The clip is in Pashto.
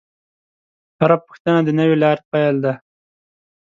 هره پوښتنه د نوې لارې پیل دی.